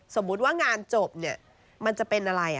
สมมุติว่างานจบเนี่ยมันจะเป็นอะไร